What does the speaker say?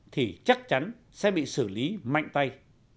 thì chắc chắn sẽ bị xử lý mạnh tay